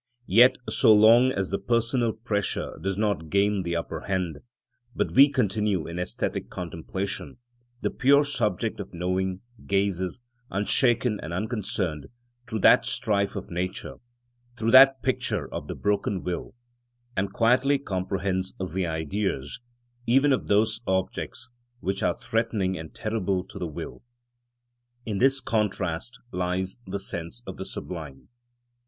Yet, so long as the personal pressure does not gain the upper hand, but we continue in æsthetic contemplation, the pure subject of knowing gazes unshaken and unconcerned through that strife of nature, through that picture of the broken will, and quietly comprehends the Ideas even of those objects which are threatening and terrible to the will. In this contrast lies the sense of the sublime.